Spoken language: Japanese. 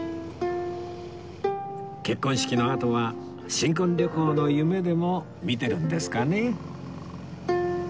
結婚式のあとは新婚旅行の夢でも見てるんですかね？